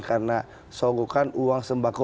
karena soguhkan uang sembako